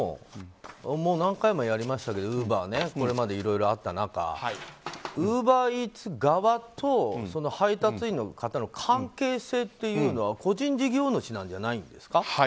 何回も、ウーバーイーツはやりましたけどこれまでいろいろあった中ウーバーイーツ側と配達員の方の関係性というのは個人事業主なんじゃないですか。